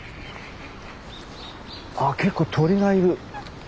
あ結構鳥がいる。